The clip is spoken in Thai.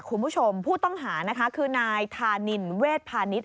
คุณผู้ชมผู้ต้องหาคือนายทานิ่นเวทภานิทร